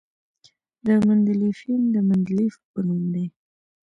د مندلیفیم د مندلیف په نوم دی.